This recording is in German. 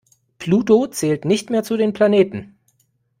Pluto zählt nicht mehr zu den Planeten.